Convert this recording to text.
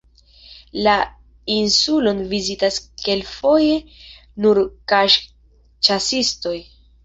La insulon vizitas kelkfoje nur kaŝ-ĉasistoj.